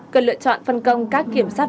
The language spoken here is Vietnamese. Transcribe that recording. cần lựa chọn phân công các kiểm sát